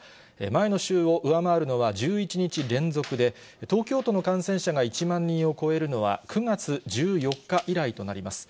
前の週を上回るのは１１日連続で、東京都の感染者が１万人を超えるのは９月１４日以来となります。